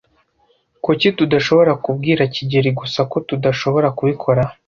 Kuki tudashobora kubwira kigeli gusa ko tudashobora kubikora?